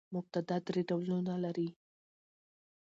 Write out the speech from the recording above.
مبتداء درې ډولونه لري.